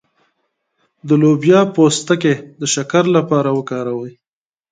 د لوبیا پوستکی د شکر لپاره وکاروئ